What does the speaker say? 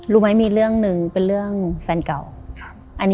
รู้ไหมมีเรื่องหนึ่งเป็นเรื่องแฟนเก่า